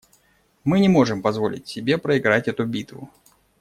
Мы не можем позволить себе проиграть эту битву.